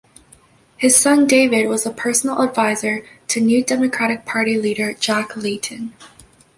His son David was a personal advisor to New Democratic Party leader, Jack Layton.